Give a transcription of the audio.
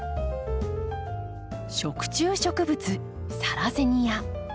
食虫植物サラセニア。